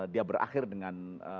dia berakhir dengan